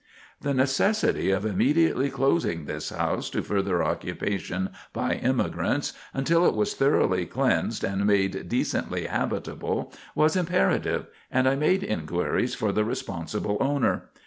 The necessity of immediately closing this house to further occupation by immigrants, until it was thoroughly cleansed and made decently habitable, was imperative, and I made inquiries for the responsible owner.